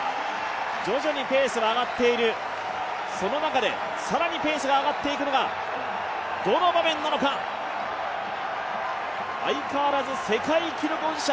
徐々にペースが上がっていく、その中で更にペースが上がっていくのがどの場面なのか、相変わらず世界記録保持者